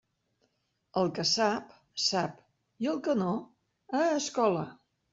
El que sap, sap, i el que no, a escola.